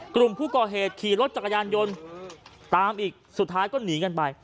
กลุ่มผู้ก่อเหตุขี่รถจักรยานยนต์ตามอีกสุดท้ายก็หนีกันไป